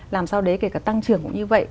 làm sao đấy kể cả tăng trưởng cũng như vậy